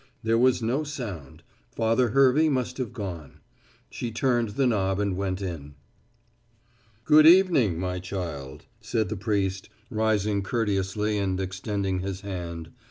There was no sound. Father Hervey must have gone. She turned the knob and went in. "Good evening, my child," said the priest, rising courteously and extending his hand.